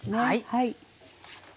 はい。